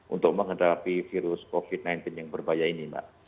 untuk menghadapi virus covid sembilan belas yang berbahaya ini mbak